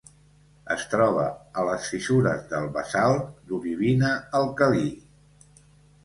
Es troba a les fissures del basalt d'olivina alcalí.